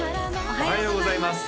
おはようございます